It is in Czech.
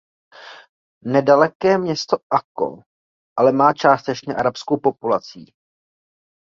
Nedaleké město Akko ale má částečně arabskou populací.